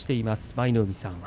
舞の海さん